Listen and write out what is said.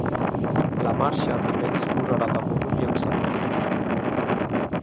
La marxa també disposarà de busos llançadora.